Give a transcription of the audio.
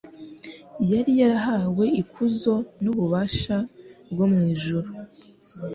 Yari yarahawe ikuzo n’ububasha byo mu ijuru.